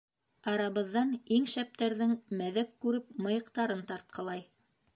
Арабыҙҙан иң шәптәрҙең, мәҙәк күреп, мыйыҡтарын тартҡылай.